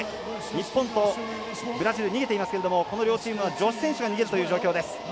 日本とブラジル逃げていますけれどもこの両チームは女子選手が逃げるという状況です。